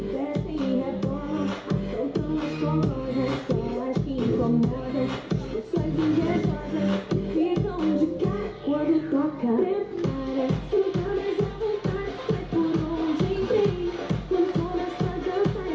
คือเต้นจริงมากใช่ไหม